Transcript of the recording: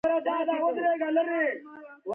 ګیلاس له درناوي ډک راوړل کېږي.